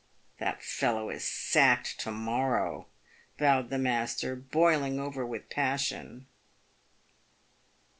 " That fellow is sacked to morrow !" vowed the master, boiling over with passion.